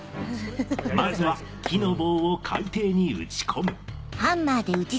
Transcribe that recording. まずは木の棒を海底に打ち込む。